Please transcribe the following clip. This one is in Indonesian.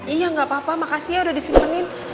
iya nggak apa apa makasih ya udah disimpenin